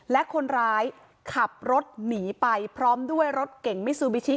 และคนร้ายขับรถหนีไปพร้อมด้วยรถเก่งมิซูบิชิ